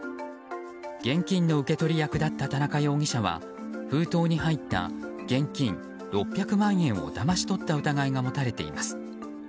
現金の受け取り役だった田中容疑者は封筒に入った現金６００万円をだまし取った疑いが持たれています。